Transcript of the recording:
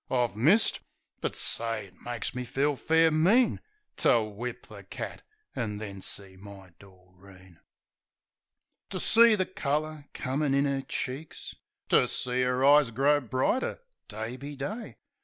I've missed — ^but, say, it makes me feel fair mean To whip the cat; an' then see my Doreen. To see the colour comin' in 'er cheeks, To see 'er eyes grow brighter day be day.